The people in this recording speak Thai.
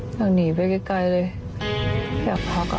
อยากหนีไปใกล้เลยอยากพัก